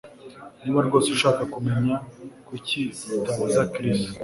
Niba rwose ushaka kumenya kuki utabaza Chris